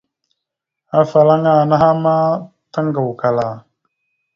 Afalaŋana anaha ma taŋgawakala.